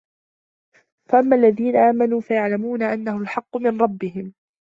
ۚ فَأَمَّا الَّذِينَ آمَنُوا فَيَعْلَمُونَ أَنَّهُ الْحَقُّ مِنْ رَبِّهِمْ